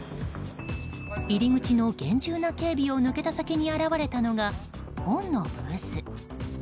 入口の厳重な警備を抜けた先に現れたのが本のブース。